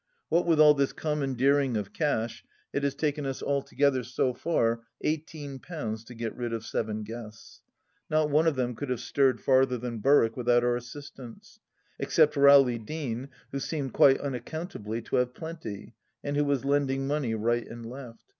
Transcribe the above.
What with all this commandeering of cash, it has taken us altogether, so far, eighteen pounds to get rid of seven guests. Not one of them could have stirred farther than Berwick without our assistance. Except Rowley Deane, who seemed quite unaccountably to have plenty, and who was lending money right and left.